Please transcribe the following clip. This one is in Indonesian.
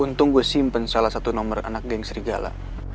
untung gue simpen salah satu nomor anak geng serigala